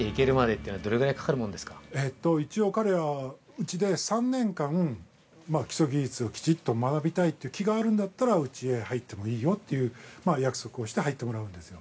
◆一応、彼は、うちで３年間基礎技術をきちっと学びたいという気があるんだったらうちへ入ってもいいよという約束をして入ってもらうんですよ。